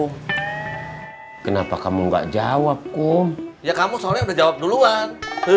aku kenapa kamu gak jawab kom ya kamu soalnya udah jawab duluan